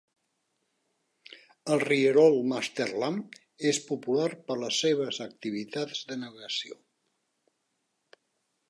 El rierol Martlesham és popular per les seves activitats de navegació.